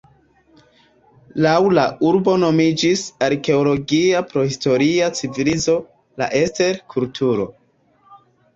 Laŭ la urbo nomiĝis arkeologia prahistoria civilizo, la "Este-kulturo".